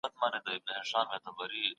ښوونکي درس ورکړی و او تدريس بشپړ سوی و.